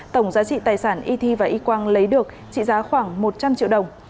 tổng giá trị tài sản y thi và y quang lấy được trị giá khoảng một trăm linh triệu đồng